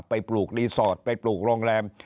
ปลูกรีสอร์ทไปปลูกโรงแรม